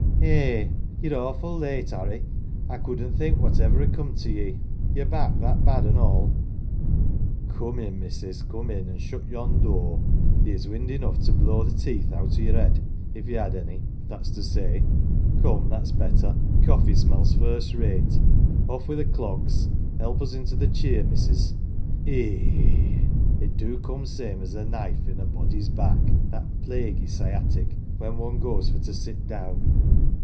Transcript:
" Eh, ye're awful late, "Airy ! I couldn't think whatever'd come to ye. Your back that bad, an 1 all. 1 "" Come in, missis, come in, an 1 shut yon door ; theer's wind enough to blow th" 1 teeth out o' yer 'ead if ye had any, that's to say. Come, that's better ! Coffee smells first rate. Off wi' th' clogs ! Help us into the cheer, missus ; e e eh, it do come same as a knife in a body's back, that plaguey sciatic' when one goes for to sit down.